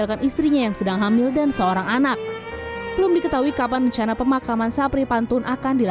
komedian sapri pantun